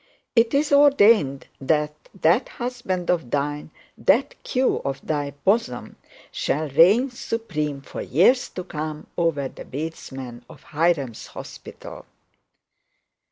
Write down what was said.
'Tis ordained that the husband of thine, that Q of thy bosom, shall reign supreme for some years to come over the bedesmen of Hiram's hospital.